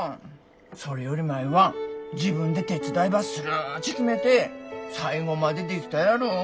それより舞は自分で手伝いばするっち決めて最後までできたやろ。